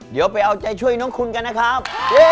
เดี๋ยวไปเอาใจช่วยน้องคุณกันนะครับ